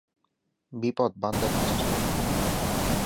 বিপদ বান্দার পিছু ছাড়ে না।